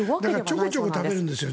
だからちょこちょこ食べるんですよ。